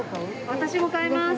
私も買います